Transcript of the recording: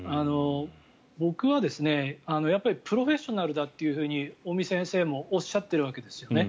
僕はプロフェッショナルだというふうに尾身先生もおっしゃっているわけですよね。